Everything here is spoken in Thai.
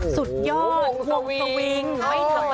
สุดยอดวงสวิงไม่ธรรมดา